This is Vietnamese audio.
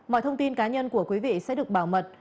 mọi thông tin cá nhân của quý vị sẽ được bảo mật